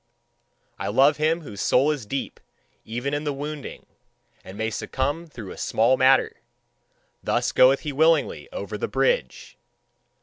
I love him whose soul is deep even in the wounding, and may succumb through a small matter: thus goeth he willingly over the bridge.